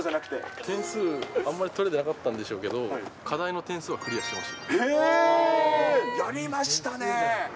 点数、あんまり取れてなかったんでしょうけど、へー、やりましたね。